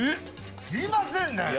すいませんね。